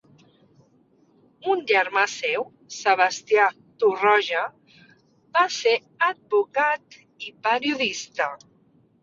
Un germà seu, Sebastià Torroja, va ser advocat i periodista.